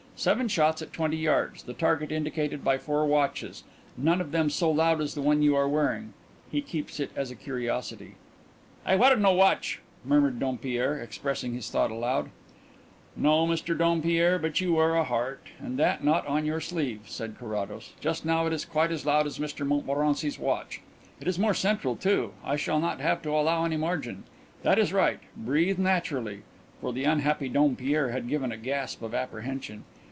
Seven shots at twenty yards, the target indicated by four watches, none of them so loud as the one you are wearing. He keeps it as a curiosity." "I wear no watch," muttered Dompierre, expressing his thought aloud. "No, Monsieur Dompierre, but you wear a heart, and that not on your sleeve," said Carrados. "Just now it is quite as loud as Mr Montmorency's watch. It is more central too I shall not have to allow any margin. That is right; breathe naturally" for the unhappy Dompierre had given a gasp of apprehension.